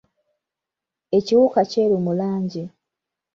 Ekiwuka kyeru mu langi.